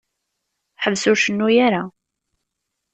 Ḥbes ur cennu ara.